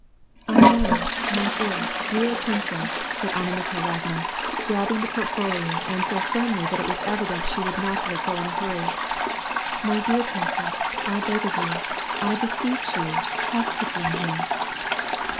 " I know, my dear, good princess," said Anna Mikhailovna, pnibbing the portfolio, and so firmly that it was evident she would not let go in a hurry ;*' My dear princess, I beg of you, I lH*sepoh you, have pity upon him.